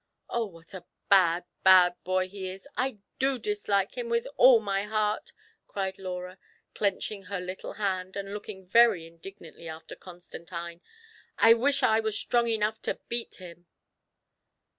" Oh, what a bad, bad boy he is ! I do dislike him with all my heart !" cried Laura, clenching her little hand, and looking very indignantly after Constantine. " I wish I were strong enough to beat him